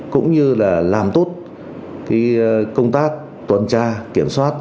cũng như là làm tốt công tác tuần tra kiểm soát